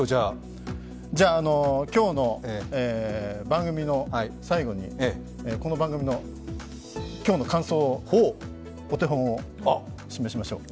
じゃあ今日の番組の最後にこの番組の今日の感想を、お手本を示しましょう。